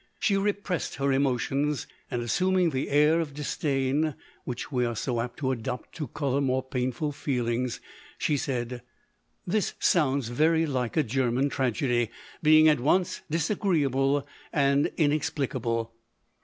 She repressed Ikt emotions, and assuming that air of disdain, which we are so apt to adopt to colour more painful feelings, she said, " This sounds very like a German tragedy, being at once disagree able and inexplicable."